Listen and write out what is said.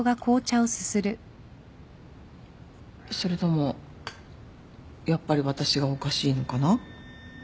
それともやっぱり私がおかしいのかな？